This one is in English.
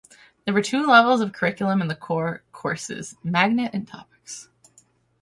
There were two levels of curriculum in the core courses - Magnet and Topics.